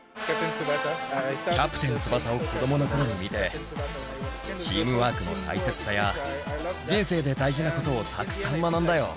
キャプテン翼を子どものころに見て、チームワークの大切さや、人生で大事なことをたくさん学んだよ。